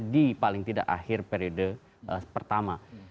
di paling tidak akhir periode pertama